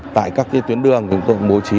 tại các tuyến đường chúng tôi bố trí